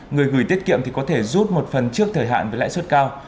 người gửi tiết kiệm thì có thể rút một phần trước thời hạn với lãi suất cao